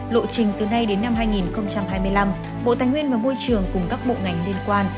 lộ trình từ nay đến năm hai nghìn hai mươi năm bộ tài nguyên và môi trường cùng các bộ ngành liên quan